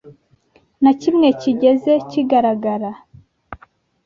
na kimwe kigeze kigaragara.